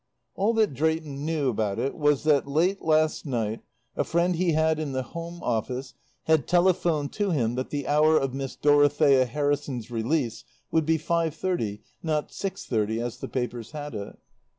All that Drayton knew about it was that, late last night, a friend he had in the Home Office had telephoned to him that the hour of Miss Dorothea Harrison's release would be five thirty, not six thirty as the papers had it.